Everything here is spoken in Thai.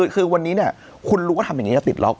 คือวันนี้เนี่ยคุณรู้ว่าทำอย่างนี้จะติดล็อก